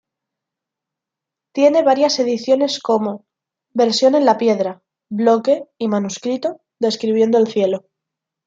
Tiene varias ediciones como: versión en la piedra, bloque, y manuscrito, describiendo el cielo.